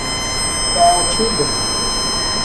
Caatiba